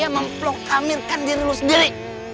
mempeluk hamilkan diri sendiri